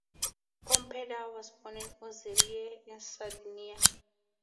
Pompedda was born in Ozieri in Sardinia.